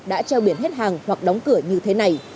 đã treo biển hết hàng hoặc đóng cửa như thế này